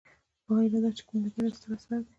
پایله دا چې کیمیاګر یو ستر اثر دی.